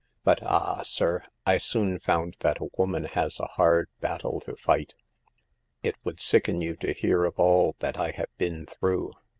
But ah ! sir, I soon found that a woman has a hard bat tle to fight. It would sicken you to hear of all that I have been through.